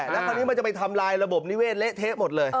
แล้วคราวนี้มันจะไปทำลายระบบนิเวศเละเทะหมดเลย